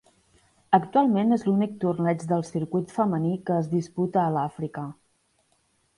Actualment és l'únic torneig del circuit femení que es disputa a l'Àfrica.